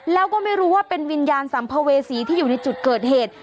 แล้วก็ไม่รู้ว่าเป็นวิญญาณสัมภเวษีที่อยู่ในจุดเกิดเหตุ